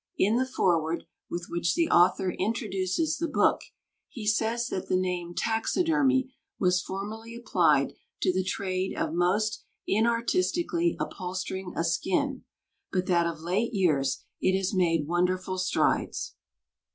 In the foreword with which the author introduces the book he says that the name "taxidermy" was formerly applied to the trade of most inartistically upholstering a skin, but that of late years it has made wonderful strides.